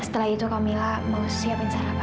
setelah itu kak mila mau siapin sarapan